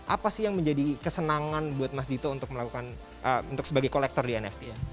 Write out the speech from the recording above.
apa sih yang menjadi kesenangan buat mas dito untuk melakukan untuk sebagai kolektor di nft ya